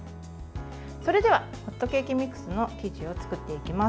それではホットケーキミックスの生地を作っていきます。